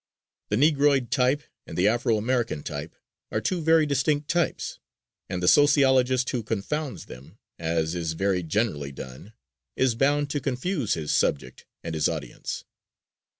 The negroid type and the Afro American type are two very distinct types, and the sociologist who confounds them, as is very generally done, is bound to confuse his subject and his audience.